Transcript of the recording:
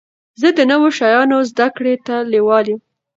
زه د نوو شیانو زده کړي ته لېواله يم.